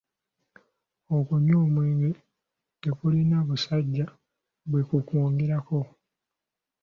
Okunywa omwenge tekulina busajja bwekukwongerako.